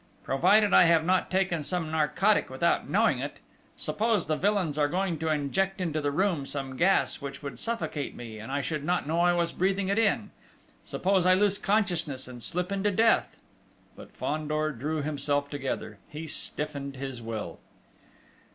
"Provided I have not taken some narcotic without knowing it!... Suppose the villains are going to inject into the room some gas which would suffocate me, and I should not know I was breathing it in? Suppose I lose consciousness and slip into death?" But Fandor drew himself together; he stiffened his will.